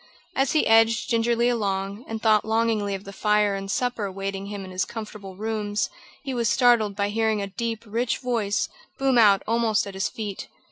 As he edged gingerly along, and thought longingly of the fire and supper awaiting him in his comfortable rooms, he was startled by hearing a deep, rich voice boom out almost at his feet.